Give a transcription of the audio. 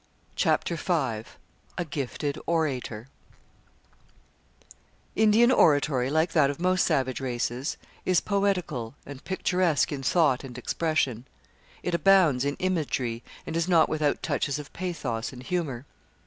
CHAPTER V A GIFTED ORATOR Indian oratory, like that of most savage races, is poetical and picturesque in thought and expression. It abounds in imagery and is not without touches of pathos and humour.